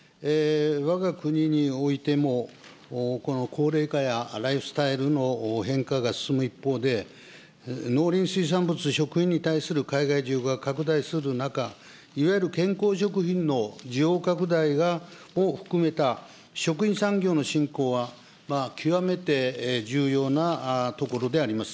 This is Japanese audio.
わが国においても、この高齢化やライフスタイルの変化が進む一方で、農林水産物食品に関する海外需要が拡大する中、いわゆる健康食品の需要拡大を含めた食品産業の振興は、極めて重要なところであります。